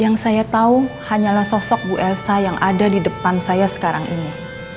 yang saya tahu hanyalah sosok bu elsa yang ada di depan saya sekarang ini